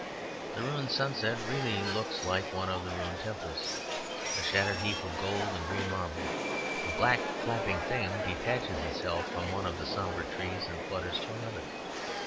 The ruined sunset really looks like one of their ruined temples: a shattered heap of gold and green marble. A black flapping thing detaches itself from one of the sombre trees and flutters to another.